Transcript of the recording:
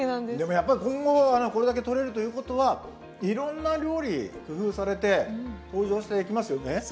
でもやっぱり今後これだけとれるということはいろんな料理工夫されて登場してきますよね。